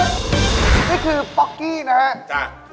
นี่คือปกตินะครับ